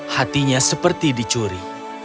hatinya seperti dicuri